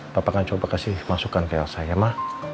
papa akan coba kasih masukan ke elsa ya ma